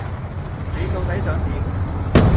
你到底想點？